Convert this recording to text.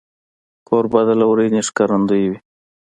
کوربه د لورینې ښکارندوی وي.